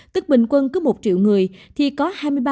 tức bình quân cứ một triệu người thì có hai mươi ba ba trăm bốn mươi năm